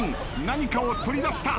何かを取り出した。